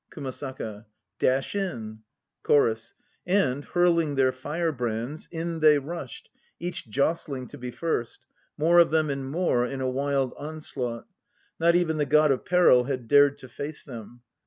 KUMASAKA. Dash in! CHORUS. And, hurling their firebrands, In they rushed, each jostling to be first, More of them and more, in a wild onslaught. Not even the God of Peril had dared to face them.